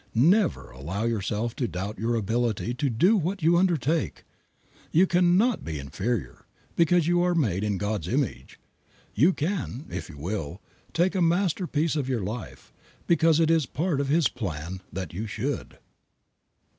Never allow yourself to doubt your ability to do what you undertake. You can not be inferior, because you are made in God's image. You can, if you will, make a masterpiece of your life, because it is part of His plan that you should.